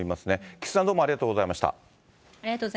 菊池さん、どうもありがとうございました。